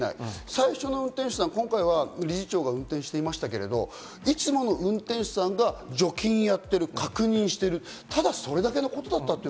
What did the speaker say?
最初の運転手さん、今回は理事長が運転していましたけど、いつもの運転手さんが除菌をやってる、確認してる、ただそれだけのことだった。